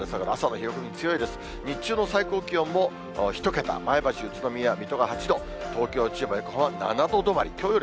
日中の最高気温も１桁、前橋、宇都宮、水戸が８度、東京、千葉、横浜７度止まり。